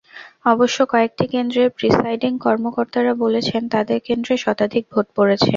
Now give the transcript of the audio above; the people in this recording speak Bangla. অবশ্য কয়েকটি কেন্দ্রের প্রিসাইডিং কর্মকর্তারা বলেছেন তাদের কেন্দ্রে শতাধিক ভোট পড়েছে।